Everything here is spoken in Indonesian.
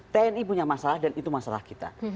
tni punya masalah dan itu masalah kita